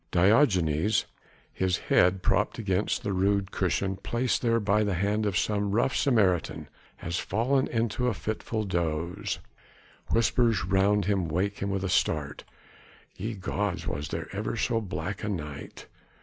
Diogenes his head propped against the rude cushion placed there by the hand of some rough Samaritan has fallen into a fitful doze. Whispers around him wake him with a start. Ye gods! was there ever so black a night?